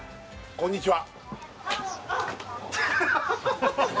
こんにちは